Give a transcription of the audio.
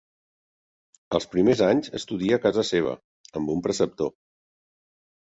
Els primers anys estudia a casa seva, amb un preceptor.